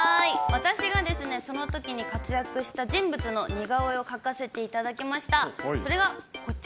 私がですね、そのときに活躍した人物の似顔絵を描かせていただきました。